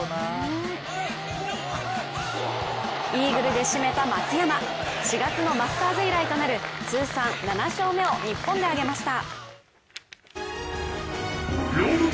イーグルで締めた松山、４月のマスターズ以来となる通算７勝目を日本で挙げました。